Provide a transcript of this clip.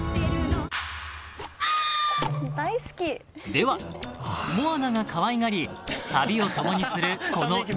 ［ではモアナがかわいがり旅を共にするこの鶏］